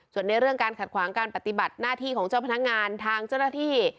ส่วนในเรื่องการขัดขวางการปฏิบัติหน้าที่ของเจ้าพนักงานทางเจ้าหน้าที่